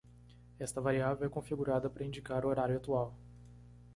Esta variável é configurada para indicar o horário atual.